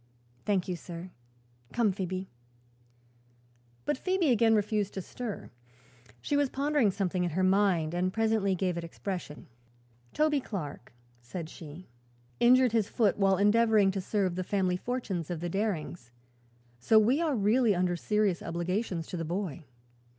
"Thank you, sir. Come, Phoebe." But Phoebe again refused to stir. She was pondering something in her mind and presently gave it expression. "Toby Clark," said she, "injured his foot while endeavoring to serve the family fortunes of the Darings, so we are really under serious obligations to the boy.